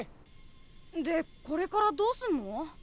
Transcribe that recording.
でこれからどうするの？